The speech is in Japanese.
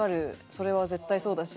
それは絶対そうだし。